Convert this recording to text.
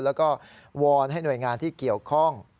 แล้วก็วอนให้หน่วยงานที่เกี่ยวข้อง